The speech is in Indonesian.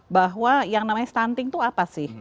bahwa yang namanya stunting itu apa sih